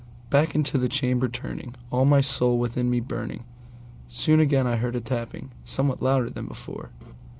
Back into the chamber turning, all my soul within me burning, Soon again I heard a tapping somewhat louder than before.